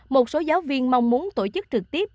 một số giáo viên mong muốn tổ chức trực tiếp